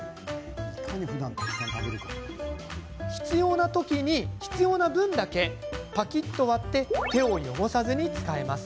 必要な時に必要な分だけぱきっと割って手を汚さずに使えます。